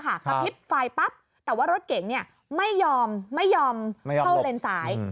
กระพริบไฟปั๊บแต่ว่ารถเก่งไม่ยอมเข้าเลนส์ซ้าย